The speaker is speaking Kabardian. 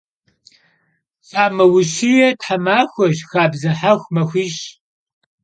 Xame vuşiê themaxueş, xabze hexu maxuişş.